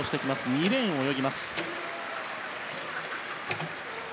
２レーンを泳ぎます。